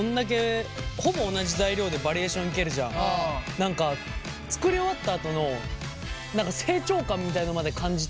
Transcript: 何か作り終わったあとの何か成長感みたいのまで感じて。